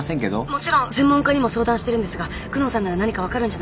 もちろん専門家にも相談してるんですが久能さんなら何か分かるんじゃないかって。